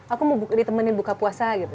aku mau ditemenin buka puasa gitu